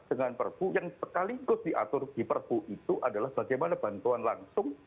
dengan perpu yang sekaligus diatur di perpu itu adalah bagaimana bantuan langsung